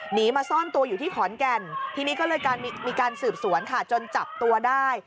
หนีมาซ่อนตัวอยู่ที่ขอนแก่นทีนี้ก็เลยมีการสืบสวนค่ะจนจับตัวได้